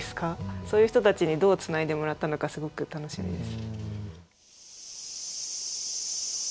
そういう人たちにどうつないでもらったのかすごく楽しみです。